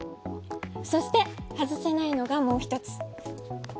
そして外せないのがもう１つ。